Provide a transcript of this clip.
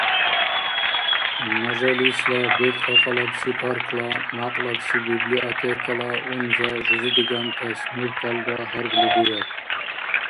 Мажалисла бекӀ кьакьалабси паркла мякьлабси библиотекала унза жузи дигантас мурталра гьаргли дирар.